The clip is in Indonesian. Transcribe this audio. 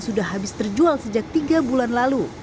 sudah habis terjual sejak tiga bulan lalu